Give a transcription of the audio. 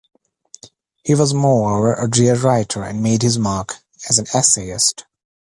He was moreover a dear writer and made his mark as an essayist.